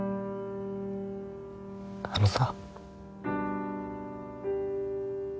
あのさ。